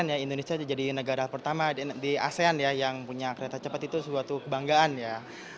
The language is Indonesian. ya indonesia jadi negara pertama di asean ya yang punya kereta cepat itu suatu kebanggaan ya